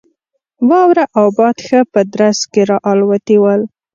واوره او باد ښه په درز کې را الوتي ول.